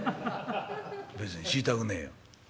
別に知りたくねえよ」。